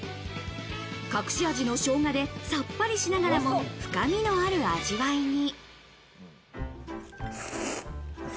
隠し味の生姜でさっぱりしながらも、深みのある味わいに。